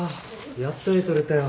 やっとＡ取れたよ。